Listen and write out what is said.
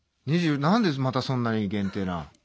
何でまたそんなに限定な。